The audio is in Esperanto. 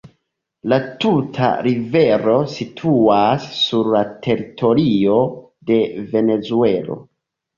La tuta rivero situas sur la teritorio de Venezuelo.